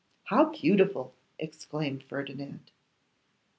'How beautiful!' exclaimed Ferdinand.